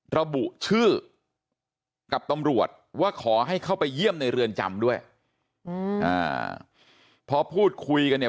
ระบุชื่อกับตำรวจว่าขอให้เข้าไปเยี่ยมในเรือนจำด้วยอืมอ่าพอพูดคุยกันเนี่ย